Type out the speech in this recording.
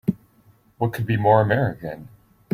What could be more American!